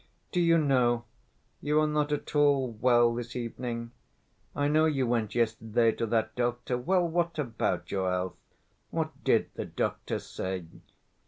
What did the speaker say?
Do you know, you are not at all well this evening? I know you went yesterday to that doctor ... well, what about your health? What did the doctor say?"